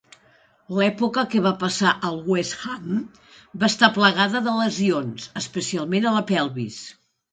L'època que va passar al West Ham va estar plagada de lesions, especialment a la pelvis.